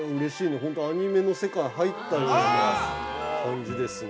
本当アニメの世界に入ったような感じですね。